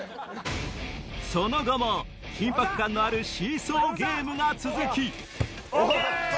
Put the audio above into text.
その後も緊迫感のあるシーソーゲームが続きＯＫ！